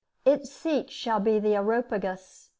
Its seat shall be the Areopagus.